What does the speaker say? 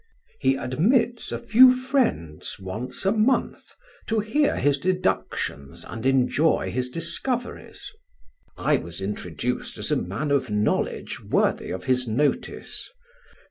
He admits a few friends once a month to hear his deductions and enjoy his discoveries. I was introduced as a man of knowledge worthy of his notice.